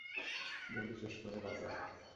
জলদি শেষ করে, বাইরে আয়।